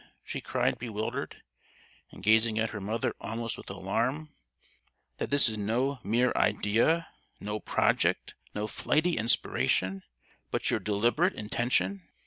she cried bewildered, and gazing at her mother almost with alarm; "that this is no mere idea, no project, no flighty inspiration, but your deliberate intention?